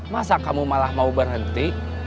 masa kamu malah mau berhenti